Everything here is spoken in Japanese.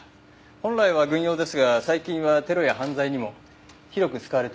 本来は軍用ですが最近はテロや犯罪にも広く使われているものです。